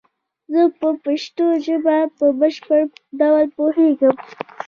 زه په پشتو ژبه په بشپړ ډول پوهیږم